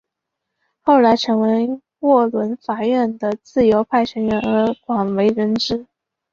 后来成为沃伦法院的自由派成员而广为人知。